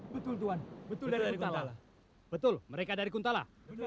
betul tuan betul tuan betul dari kuntala